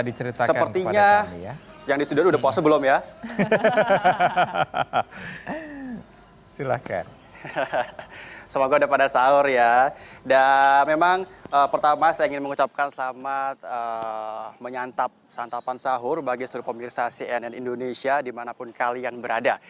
dan memang pertama saya ingin mengucapkan selamat menyantap santapan sahur bagi seluruh pemirsa cnn indonesia dimanapun kalian berada